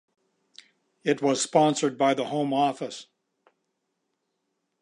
It was sponsored by the Home Office.